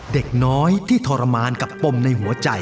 เด็กน้อยที่ทรมานกับปมในหัวใจ